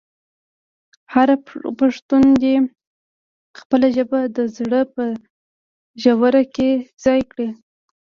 هر پښتون دې خپله ژبه د زړه په ژوره کې ځای کړي.